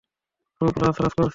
খুব রাজ রাজ করছিস?